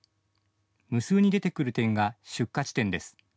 無数に出てくる点が出火地点です。